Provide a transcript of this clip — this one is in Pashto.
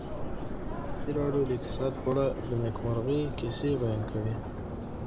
ازادي راډیو د اقتصاد په اړه د نېکمرغۍ کیسې بیان کړې.